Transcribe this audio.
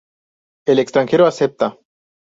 El extranjero acepta.